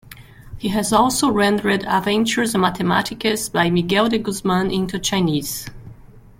He has also rendered "Aventures mathématiques" by Miguel de Guzmán into Chinese.